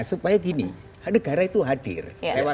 supaya negara itu hadir